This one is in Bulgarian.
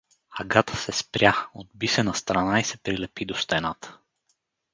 Агата се спря, отби се настрана и се прилепи до стената.